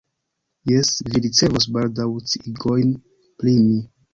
Jes, vi ricevos baldaŭ sciigojn pri mi.